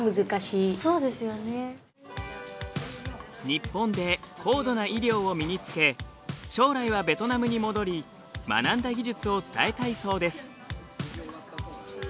日本で高度な医療を身につけ将来はベトナムに戻り学んだ技術を伝えたいそうです。